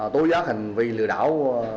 tối giác hành vi lừa đảo